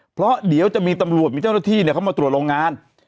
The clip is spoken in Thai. เพราะเดี๋ยวจะมีตำรวจมีเจ้าหน้าที่เข้ามาตรวจโรงงาน